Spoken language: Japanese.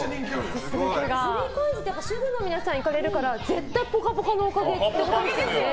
３ＣＯＩＮＳって主婦の皆さんが行かれるから絶対「ぽかぽか」のおかげですよね。